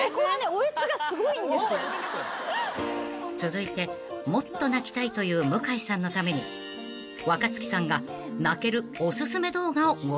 ［続いてもっと泣きたいという向井さんのために若槻さんが泣けるおすすめ動画をご紹介］